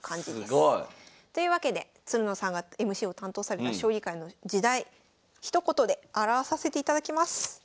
すごい。というわけでつるのさんがＭＣを担当された将棋界の時代ひと言で表させていただきます。